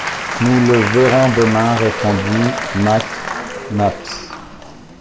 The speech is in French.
Nous le verrons demain, » répondit Mac Nabbs.